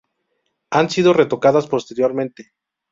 Han sido retocadas posteriormente.